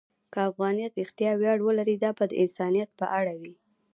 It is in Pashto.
که افغانیت رښتیا ویاړ ولري، دا به د انسانیت په اړه وي.